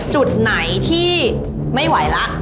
จุดไหนที่ไม่ไหวแล้ว